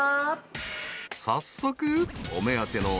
［早速］